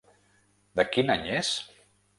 De quin any és?